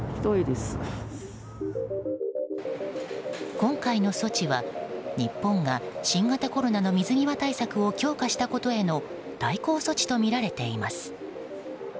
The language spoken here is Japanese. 今回の措置は日本が新型コロナの水際対策を強化したことへの対抗措置とみられています。